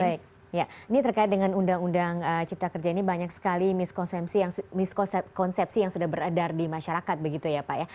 baik ya ini terkait dengan undang undang cipta kerja ini banyak sekali miskonsi yang sudah beredar di masyarakat begitu ya pak ya